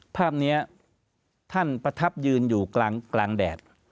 ภาพนี้ท่านประทับยืนอยู่กลางแดด